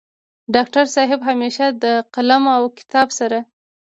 ډاکټر صيب همېشه د قلم او کتاب سره